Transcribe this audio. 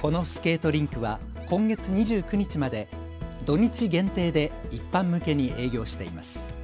このスケートリンクは今月２９日まで土日限定で一般向けに営業しています。